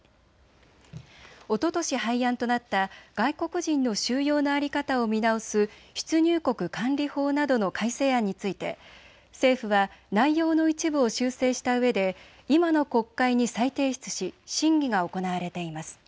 おととし廃案となった外国人の収容の在り方を見直す出入国管理法などの改正案について政府は内容の一部を修正したうえで今の国会に再提出し、審議が行われています。